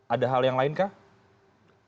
ada hal yang lain kah